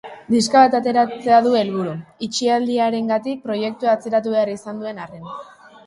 Diska bat ateratzea du helburu, itxialdiarengatik proiektua atzeratu behar izan duen arren.